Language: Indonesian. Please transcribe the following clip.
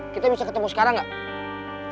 kita bisa ketemu sekarang nggak